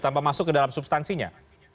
tanpa masuk ke dalam substansinya